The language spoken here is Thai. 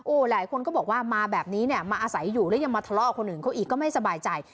หลายคนก็บอกว่ามาแบบนี้เนี่ยมาอาศัยอยู่แล้วยังมาทะเลาะคนอื่นเขาอีกก็ไม่สบายใจ